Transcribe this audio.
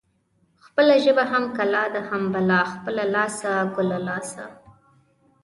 خپله ژبه هم کلا ده هم بلا. خپله لاسه ګله لاسه.